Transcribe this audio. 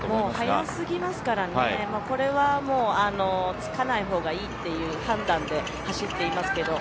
速すぎますからつかないほうがいいという判断で走っています。